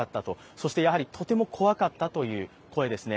そしてやはりとても怖かったという声ですね。